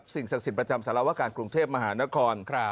ศักดิ์สิทธิ์ประจำสารวการกรุงเทพมหานคร